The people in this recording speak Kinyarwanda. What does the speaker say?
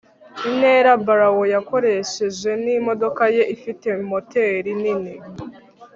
intera barrow yakoresheje n'imodoka ye ifite moteri nini